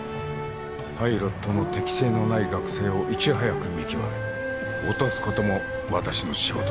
パイロットの適性のない学生をいち早く見極め落とすことも私の仕事だ。